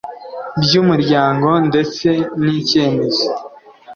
by umuryango ndetse n icyemezo